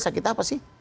sakit apa sih